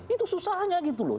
itu susahnya gitu loh